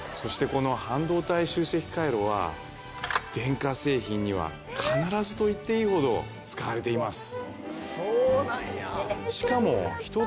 この半導体集積回路は電化製品には必ずと言っていいほど使われています